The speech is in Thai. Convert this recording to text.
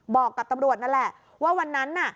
บอกกับตำรวจนั่นแหละว่าวันนั้นน่ะ